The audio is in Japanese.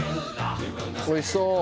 おいしそう！